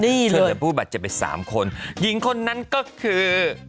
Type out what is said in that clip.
เฉยผู้บัติเจ็บเป็น๓คนหญิงคนนั้นก็คือ